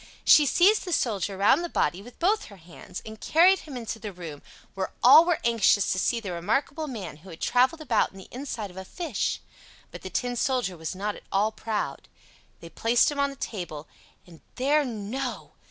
She seized the Soldier round the body with both her hands, and carried him into the room, where all were anxious to see the remarkable man who had traveled about in the inside of a fish; but the Tin Soldier was not at all proud. They placed him on the table, and there—no!